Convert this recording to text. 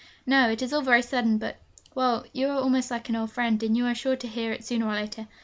'No, it is all very sudden; but, well, you are almost like an old friend, and you are sure to hear it sooner or later.